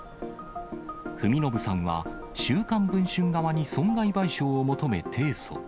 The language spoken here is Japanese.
文信さんは週刊文春側に損害賠償を求め提訴。